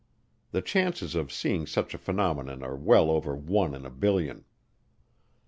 The chances of seeing such a phenomenon are well over one in a billion.